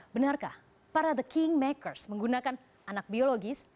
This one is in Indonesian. benarkah para the king makers menggunakan anak biologis